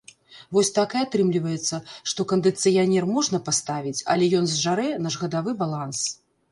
Вось так і атрымліваецца, што кандыцыянер можна паставіць, але ён зжарэ наш гадавы баланс.